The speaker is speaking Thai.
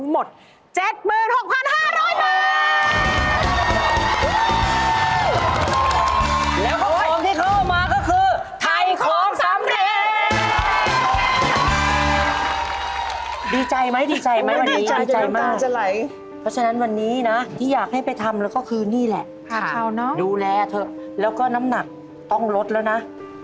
มีอะไรอยากจะบอกกับพี่รอนครับ